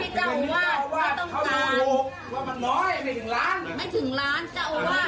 ที่ไม่ต้องการ